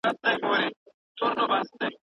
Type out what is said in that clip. هر نسل باید خپل مسؤلیت وپېژني.